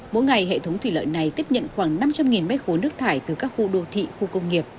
mỗi ngày hệ thống thủy lợi này tiếp nhận khoảng năm trăm linh m ba nước thải từ các khu đô thị khu công nghiệp